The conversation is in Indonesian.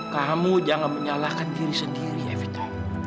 kamu jangan menyalahkan diri sendiri evita